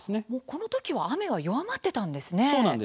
このときは雨は弱まってたんですね。